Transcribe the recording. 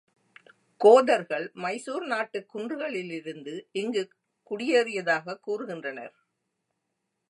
கோதர்கள் மைசூர் நாட்டுக் குன்றுகளிலிருந்து இங்குக் குடியேறியதாகக் கூறுகின்றனர்.